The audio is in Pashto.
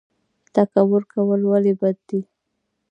تکبر کول ولې بد دي؟